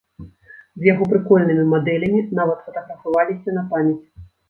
З яго прыкольнымі мадэлямі нават фатаграфаваліся на памяць.